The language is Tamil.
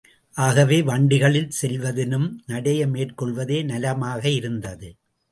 ஆகவே, வண்டிகளில் செல்வதினும் நடையை மேற்கொள்வதே நலமாக இருந்தது.